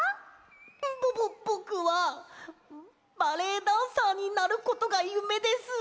ぼぼぼくはバレエダンサーになることがゆめです！